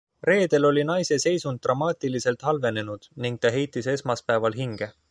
Reedel oli naise seisund dramaatiliselt halvenenud ning ta heitis esmaspäeval hinge.